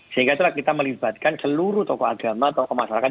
sehingga itulah kita melibatkan seluruh tokoh agama tokoh masyarakat